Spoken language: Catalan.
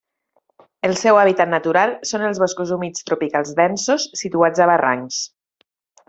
El seu hàbitat natural són els boscos humits tropicals densos situats a barrancs.